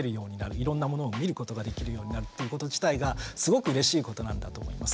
いろんなものを見ることができるようになるっていうこと自体がすごくうれしいことなんだと思います。